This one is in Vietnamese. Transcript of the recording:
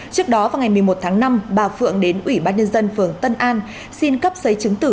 trước đó vào ngày một mươi một tháng năm bà phượng đến ủy ban nhân dân phường tân an xin cấp giấy chứng tử